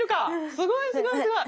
すごいすごいすごい。